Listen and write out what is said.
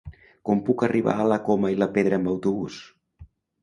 Com puc arribar a la Coma i la Pedra amb autobús?